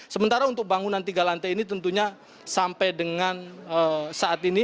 sementara untuk bangunan tiga lantai ini tentunya sampai dengan saat ini